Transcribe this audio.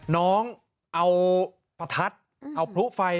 น้องเอาพื้นไฟเนี้ย